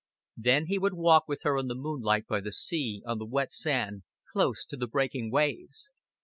Then he would walk with her in the moonlight by the sea, on the wet sand, close to the breaking waves.